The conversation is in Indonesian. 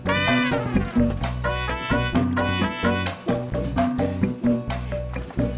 insisir ya kang ineke